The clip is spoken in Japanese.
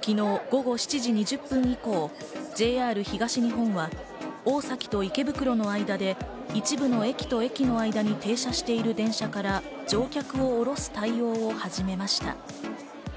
昨日午後７時２０分以降、ＪＲ東日本は大崎と池袋の間で一部の駅と駅の間に停車している電車から乗客を降ろす対応を始めました。